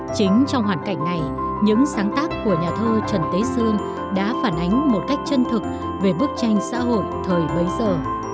chính trong hoàn cảnh này những sáng tác của nhà thơ trần tế sương đã phản ánh một cách chân thực về bức tranh xã hội thời bấy giờ